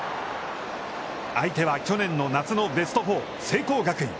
相手は去年夏のベスト４、聖光学院。